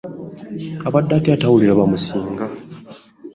Obadde otya atawuliriza bamusinga?